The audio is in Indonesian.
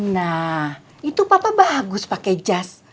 nah itu papa bagus pakai jas